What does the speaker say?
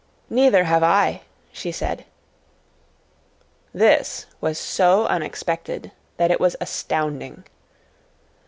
"Neither have I," she said. This was so unexpected that it was astounding.